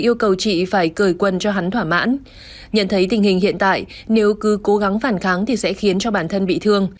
lại cởi quân cho hắn thỏa mãn nhận thấy tình hình hiện tại nếu cứ cố gắng phản kháng thì sẽ khiến cho bản thân bị thương